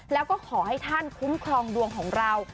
แล้วก็ขอให้ท่านคุ้มครองดวงของเรา